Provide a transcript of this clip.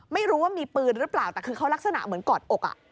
ไม่รู้ว่ามีปืนหรือเปล่าแต่คือเขาลักษณะเหมือนกอดอก